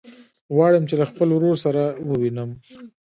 غواړم چې له خپل ورور سره ووينم.